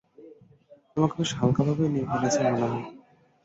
তোমাকে বেশ হালকাভাবেই নিয়ে ফেলেছি মনে হয়।